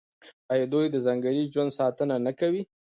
آیا دوی د ځنګلي ژوند ساتنه نه کوي؟